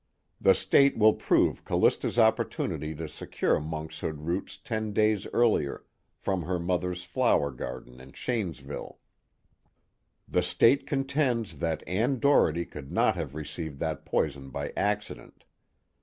The State will prove Callista's opportunity to secure monkshood roots ten days earlier, from her mother's flower garden in Shanesville. "The State contends that Ann Doherty could not have received that poison by accident.